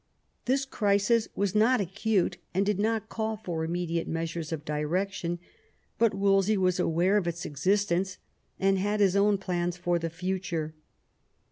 This crisis was not acute, and did not call for immediate measures of direction ; but Wolsey was aware of its existence, and had his own plans for the future.